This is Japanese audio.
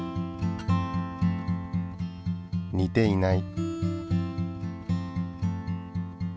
似ていない。